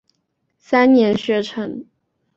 三年学成。